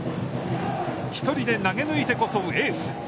１人で投げ抜いてこそエース。